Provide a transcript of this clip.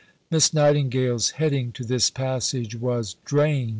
Miss Nightingale's heading to this passage was "Drains."